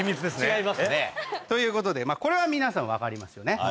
違いますね。ということでこれは皆さん分かりますよね。